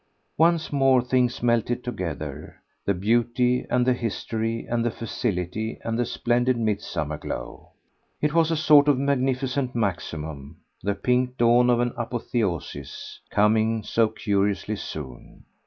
Once more things melted together the beauty and the history and the facility and the splendid midsummer glow: it was a sort of magnificent maximum, the pink dawn of an apotheosis coming so curiously soon.